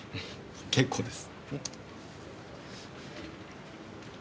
結構です。